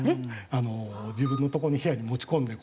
自分のとこの部屋に持ち込んで。